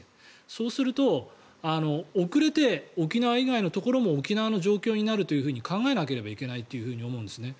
そうすると、遅れて沖縄以外のところも沖縄の状況になると考えなければいけないと思うんです。